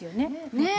ねえ！